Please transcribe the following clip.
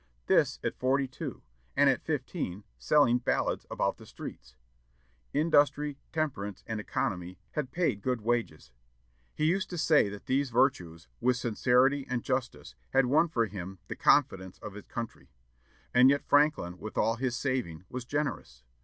This at forty two; and at fifteen selling ballads about the streets! Industry, temperance, and economy had paid good wages. He used to say that these virtues, with "sincerity and justice," had won for him "the confidence of his country." And yet Franklin, with all his saving, was generous.